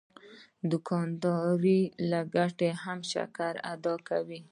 دوکاندار له ګټې هم شکر ادا کوي.